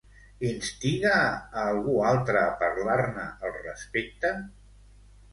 Instiga a algú altre a parlar-ne al respecte?